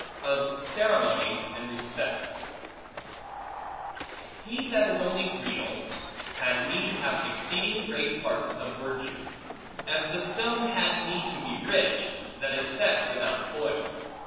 Of Ceremonies, And Respects HE THAT is only real, had need have exceeding great parts of virtue; as the stone had need to be rich, that is set without foil.